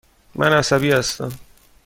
من عصبی هستم.